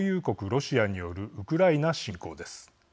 ロシアによるウクライナ侵攻です。